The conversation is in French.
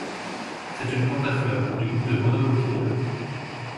C’est une plante à fleur, du groupe de monocotylédone.